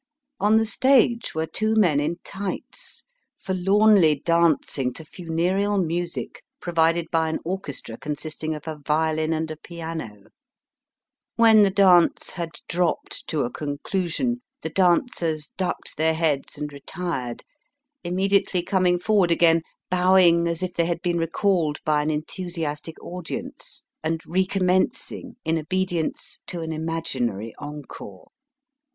On the stage were two men in tights, forlornly dancing to funereal music provided by an orchestra consisting of a violin and a piano. When the dance had dropped to a conclusion, the dancers ducked their heads and retired, Digitized by VjOOQIC 86 EAST BY WEST, immediately coming forward again, bowing as if they had been recalled by an enthusiastic audience, and recommencing in obedience to an imaginary encore.